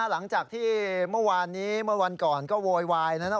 หลังจากที่เมื่อวานนี้เมื่อวันก่อนก็โวยวายนะครับ